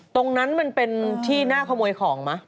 ตรงนั้นมันเป็นที่น่าขโมยของไหม